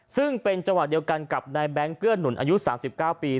ซึ่งเป็นจังหวะเดียวกันกับนายแบงค์เกื้อหนุนอายุ๓๙ปี